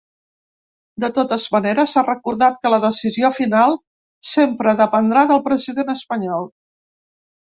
De totes maneres, ha recordat que la decisió final sempre dependrà del president espanyol.